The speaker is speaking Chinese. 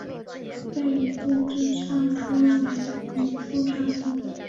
隋代以度支尚书为民部尚书。